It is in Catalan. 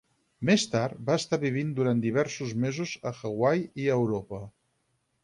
Més tard va estar vivint durant diversos mesos a Hawaii i a Europa.